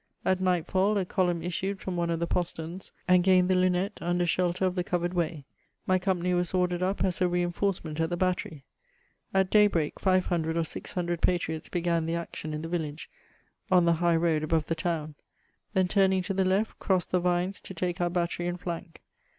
At nightfall, a column issued from one of the posterns, and gained the lunette under shelter of the covered way. My company was ordered up as a reinforcement at the battery. At day break, oOO or 600 patriots began the action in the village, on the high road above the town; then turning to the left, crossed the vines to take our battery in flank.